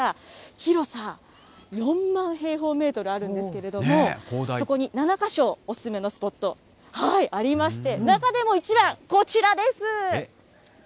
広さ、４万平方メートルあるんですけれども、そこに７か所、お勧めのスポットありまして、中でも一番、こちらです。